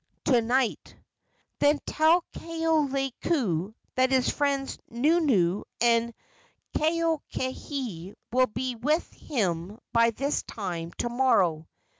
"To night." "Then tell Kaoleioku that his friends Nunu and Kakohe will be with him by this time to morrow.